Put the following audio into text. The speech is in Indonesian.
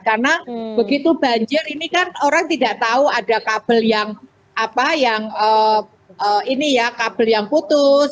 karena begitu banjir ini kan orang tidak tahu ada kabel yang putus